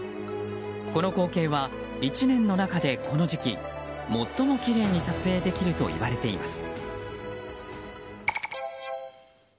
この光景は１年の中でこの時期最もきれいに撮影できるといわれています。